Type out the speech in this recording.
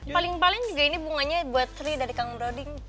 paling paling juga ini bunganya buat tri dari kang broding